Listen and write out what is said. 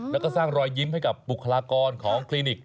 แล้วก็สร้างรอยยิ้มให้กับบุคลากรของคลินิก